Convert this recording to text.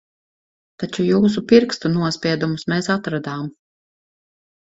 Taču jūsu pirkstu nospiedumus mēs atradām.